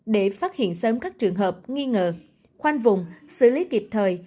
để phát hiện sớm các trường hợp nghi ngờ khoanh vùng xử lý kịp thời